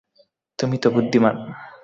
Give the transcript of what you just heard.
তুমি তো বুদ্ধিমান।